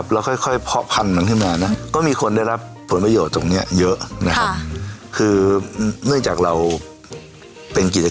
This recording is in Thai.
จนวันนี้เออมันเริ่มถึงอาจเป็นธุรกิจร้ายล้อยล้านแล้วรู้สึกภูมิใจไหมครับ